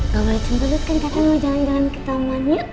kamu boleh cemberut kan kakak mau jalan jalan ke taman yuk